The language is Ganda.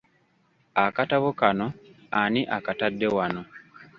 Akatabo kano ani akatadde wano?